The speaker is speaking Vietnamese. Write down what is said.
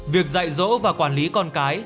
việc dạy dỗ và quản lý con cái